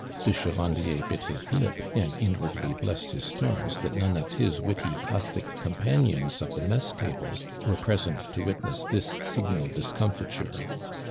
'" I)e Chevandier bit his lip, and inwardly blessed his stars that none of his witty, caustic companions of the mess table were present to witness this signal discomfiture.